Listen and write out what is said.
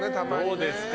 どうですか？